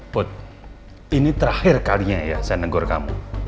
put ini terakhir kalinya ya saya nenggor kamu